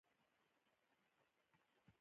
د لوبي هدف ډېر ځغستل يا زیاتي منډي جوړول دي.